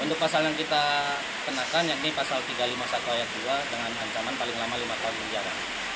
untuk pasal yang kita kenakan yakni pasal tiga ratus lima puluh satu ayat dua dengan ancaman paling lama lima tahun penjara